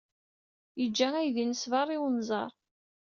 Yeǧǧa aydi-nnes beṛṛa, i unẓar.